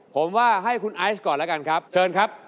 ผมว่าให้คุณไอซ์ก่อนแล้วกันครับเชิญครับ